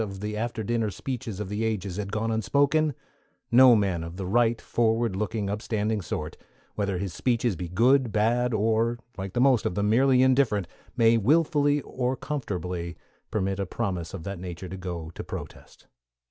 of the after dinner speeches of the ages had gone unspoken, no man of the right, forward looking, upstanding sort, whether his speeches be good, bad, or, like the most of them, merely indifferent, may wilfully or comfortably permit a promise of that nature to go to protest.